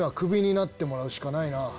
なってもらうしかないな。